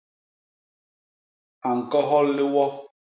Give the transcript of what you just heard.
A ñkohol liwo.